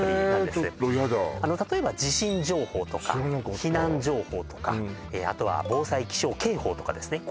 ちょっとやだ例えば地震情報とか避難情報とかあとは防災気象警報とかですね